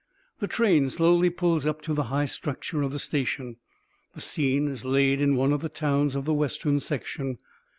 The train slowly pulls up to the high structure of the station. The scene is laid in one of the towns of the Western section.